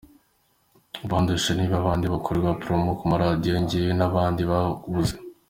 Abandusha ni babandi bakorerwa promo ku maradiyo njyewe n’abandi babuze!”.